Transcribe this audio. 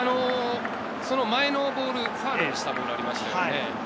その前のボール、ファウルにしたのありましたよね。